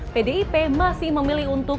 pdip masih memilih untuk